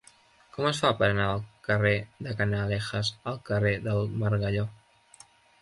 Com es fa per anar del carrer de Canalejas al carrer del Margalló?